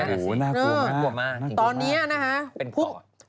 โหวววววน่ากลัวมากตอนนี้นะฮะเภรรี่เป็นก่อน